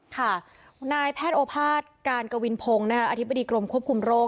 ค่ะนายแพทย์โอภาษย์การกวินพงศ์อธิบดีกรมควบคุมโรค